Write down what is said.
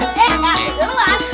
eh eh seruan